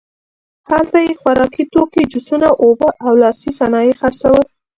هلته یې خوراکي توکي، جوسونه، اوبه او لاسي صنایع خرڅول.